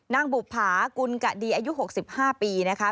บุภากุลกะดีอายุ๖๕ปีนะคะ